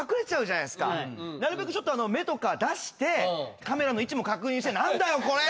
なるべくちょっと目とか出してカメラの位置も確認して「何だよこれ！」